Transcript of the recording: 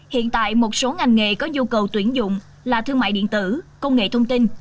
hiện tại một số ngành nghề có nhu cầu tuyển dụng là thương mại điện tử công nghệ thông tin